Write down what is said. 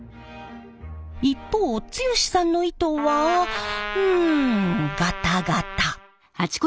一方剛さんの糸はうんガタガタ。